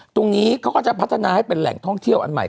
ตรงนี้เขาก็จะพัฒนาให้เป็นแหล่งท่องเที่ยวอันใหม่